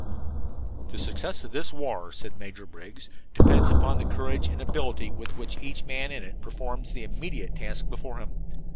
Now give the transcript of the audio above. "The success of this war," said Major Briggs, "depends upon the courage and ability with which each man in it performs the immediate task before him.